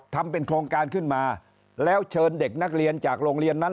ทำเป็นโครงการขึ้นมาแล้วเชิญเด็กนักเรียนจากโรงเรียนนั้น